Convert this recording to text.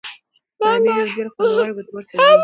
بامیه یو ډیر خوندور او ګټور سبزي دی.